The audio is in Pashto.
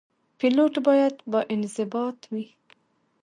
پیلوټ باید باانضباط وي.